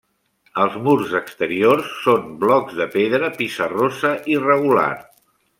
Els murs exteriors són blocs de pedra pissarrosa irregular.